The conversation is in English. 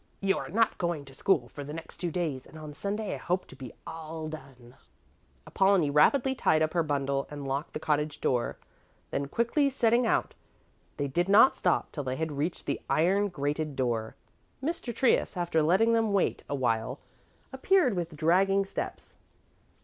You are not going to school for the next two days and on Sunday I hope to be all done." Apollonie rapidly tied up her bundle and locked the cottage door. Then quickly setting out, they did not stop till they had reached the iron grated door. Mr. Trius, after letting them wait a while, appeared with dragging steps.